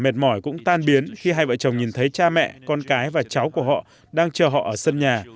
sau vất vả mệt mỏi cũng tan biến khi hai vợ chồng nhìn thấy cha mẹ con cái và cháu của họ đang chờ họ ở sân nhà